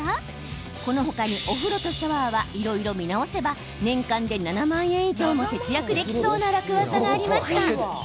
この他にお風呂とシャワーはいろいろ見直せば、年間で７万円以上も節約できそうな楽ワザがありました。